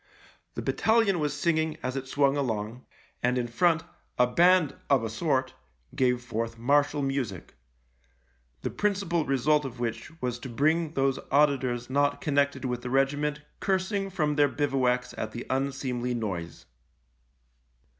The battalion was singing as it swung along, and in front a band of a sort gave forth martial music — the principal result of which was to bring those auditors not connected with the regiment cursing from their bivouacs at the unseemly noise.